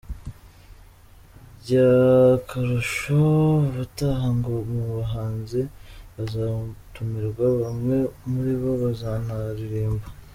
By'akarusho ubutaha, ngo mu bahanzi bazatumirwa, bamwe muri bo bazanaririmba.